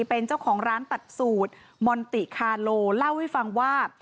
เป็นเจ้าของร้านตัดสูตรมอนติคาโลเล่าให้ฟังว่า